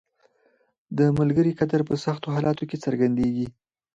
• د ملګري قدر په سختو حالاتو کې څرګندیږي.